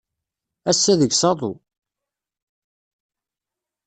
Ass-a deg-s aḍu.